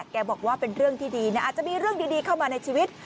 บอกว่าเป็นเรื่องที่ดีนะอาจจะมีเรื่องดีเข้ามาในชีวิต